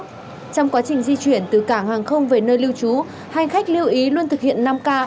trong quá trình di chuyển từ cảng hàng không về nơi lưu trú hành khách lưu ý luôn thực hiện năm k